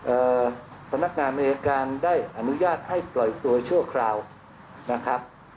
พนักงานอายการได้อนุญาตให้ปล่อยตัวชั่วคราวนะครับ